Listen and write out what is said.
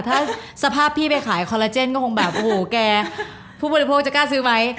ถ้าสภาพพี่ไปขายคอลลาเจนก็คงแบบโอ้โหแกผู้บริโภคจะกล้าซื้อไหม